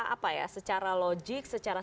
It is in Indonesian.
apa ya secara logik secara